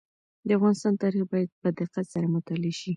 د افغانستان تاریخ باید په دقت سره مطالعه شي.